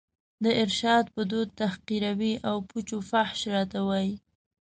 د ارشاد په دود تحقیروي او پوچ و فحش راته وايي